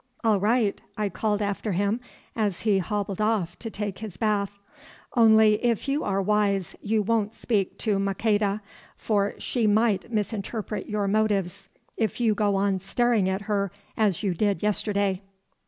"All right," I called after him as he hobbled off to take his bath, "only if you are wise, you won't speak to Maqueda, for she might misinterpret your motives if you go on staring at her as you did yesterday."